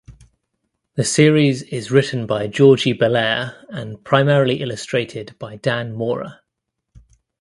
The series is written by Jordie Bellaire and primarily illustrated by Dan Mora.